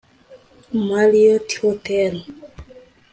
Marriot Hotel